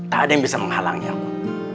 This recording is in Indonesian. tak ada yang bisa menghalangi aku